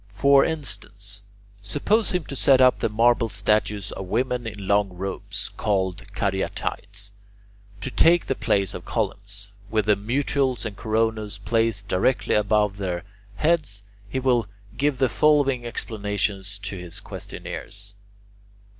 For instance, suppose him to set up the marble statues of women in long robes, called Caryatides, to take the place of columns, with the mutules and coronas placed directly above their heads, he will give the following explanation to his questioners.